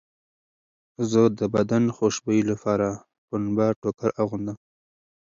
زه د بدن خوشبویۍ لپاره پنبه ټوکر اغوندم.